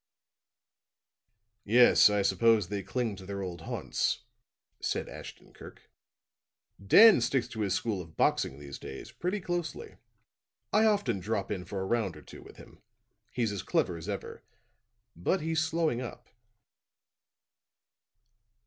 "Yes, I suppose they cling to their old haunts," said Ashton Kirk. "Dan sticks to his school of boxing these days, pretty closely. I often drop in for a round or two with him. He's as clever as ever, but he's slowing up."